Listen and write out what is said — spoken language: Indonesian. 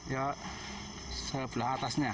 ya sebelah atasnya